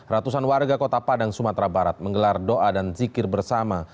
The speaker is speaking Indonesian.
ratusan warga kota padang sumatera barat menggelar doa dan zikir bersama